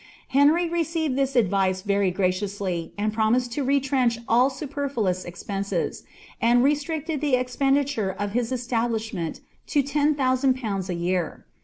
Henry received this advice very graciously, and promised to retrench all superlluous expeuses, and reatncled the expeuililure of his establishmenl to 10,UU0/. a year.